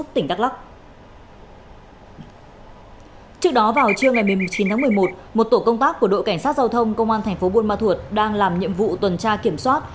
trước đó vào chiều ngày một mươi chín tháng một mươi một một tổ công tác của đội cảnh sát giao thông công an thành phố buôn ma thuột đang làm nhiệm vụ tuần tra kiểm soát